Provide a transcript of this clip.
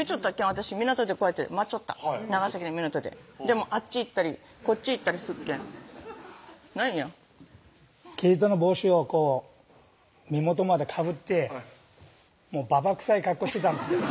私港でこうやって待っちょった長崎の港ででもあっち行ったりこっち行ったりするけんなんや毛糸の帽子をこう目元までかぶってばばくさい格好してたんですよ